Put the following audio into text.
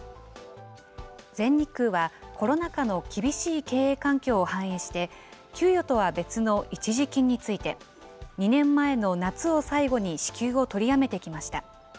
全日空はコロナ禍の厳しい経営環境を反映して、給与とは別の一時金について、２年前の夏を最後に支給を取りやめてきました。